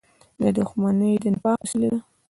• دښمني د نفاق وسیله ده.